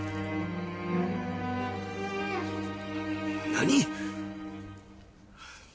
何！？